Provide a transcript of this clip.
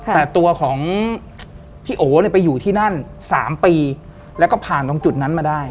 แต่ตัวของพี่โอ๋ไปอยู่ที่นั่น๓ปีแล้วก็ผ่านตรงจุดนั้นมาได้